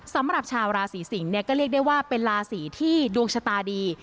สำหรับชาวราศีสิงศ์เนี่ยก็เรียกได้ว่าเป็นราศีที่ดวงชะตาดี